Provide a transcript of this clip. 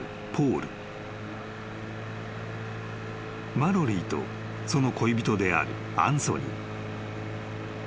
［マロリーとその恋人であるアンソニー］